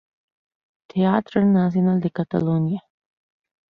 Teatre Nacional de Catalunya.